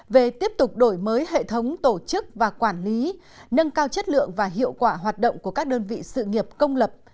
về tiếp tục đổi mới hệ thống tổ chức và quản lý nâng cao chất lượng và hiệu quả hoạt động của các đơn vị sự nghiệp công lập